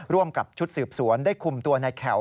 ร่วมกับชุดสืบสวนได้คุมตัวในแขว